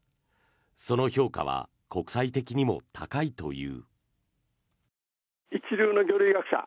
その評価は国際的にも高いという。